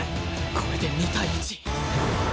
これで２対１